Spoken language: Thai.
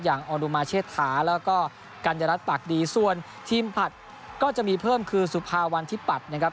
ออนุมาเชษฐาแล้วก็กัญญารัฐปากดีส่วนทีมผัดก็จะมีเพิ่มคือสุภาวันที่ปัตย์นะครับ